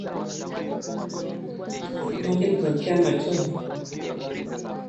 Majimaji kutokea machoni